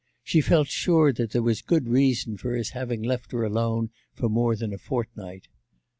She felt sure that there was good reason for his having left her alone for more than a fortnight.